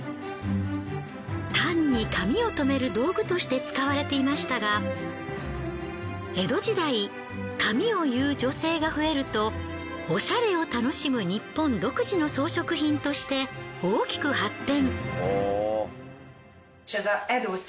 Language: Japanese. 単に髪を留める道具として使われていましたが江戸時代髪を結う女性が増えるとおしゃれを楽しむニッポン独自の装飾品として大きく発展。